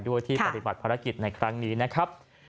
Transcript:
ที่ปฏิบัติภารกิจในครั้งนี้นะครับ